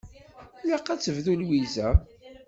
Ilaq ad tebdu Lwiza.